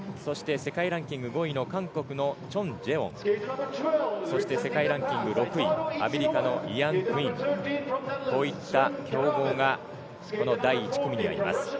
世界ランキング５位の韓国のチョン・ジェ・ウォン、そして世界ランク６位のアメリカのイアン・クイン、こういった強豪が、この第１組になります。